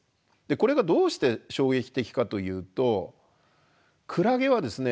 これがどうして衝撃的かというとクラゲはですね